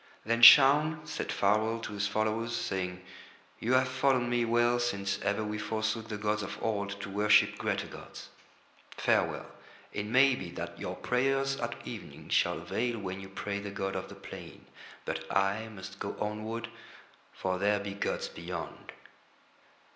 Then Shaun said farewell to his followers, saying: "You have followed me well since ever we forsook the gods of Old to worship greater gods. Farewell. It may be that your prayers at evening shall avail when you pray to the god of the plain, but I must go onward, for there be gods beyond."